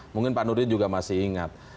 mungkin pak nurdin juga masih ingat